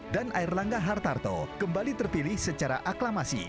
dan air langga hartarto kembali terpilih secara aklamasi